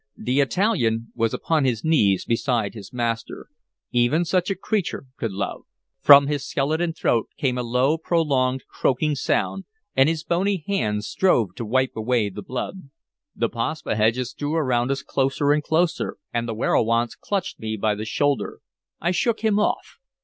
The Italian was upon his knees beside his master: even such a creature could love. From his skeleton throat came a low, prolonged, croaking sound, and his bony hands strove to wipe away the blood. The Paspaheghs drew around us closer and closer, and the werowance clutched me by the shoulder. I shook him off.